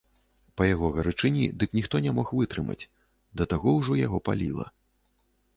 Па яго гарачыні дык ніхто не мог вытрымаць, да таго ўжо яго паліла.